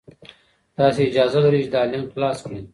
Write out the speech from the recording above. تاسي اجازه لرئ چې دا لینک خلاص کړئ.